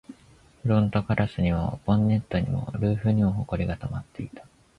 フロントガラスにも、ボンネットにも、ルーフにも埃が溜まっていた